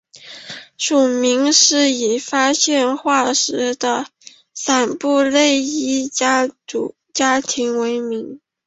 属名是以发现化石的迪布勒伊家庭为名。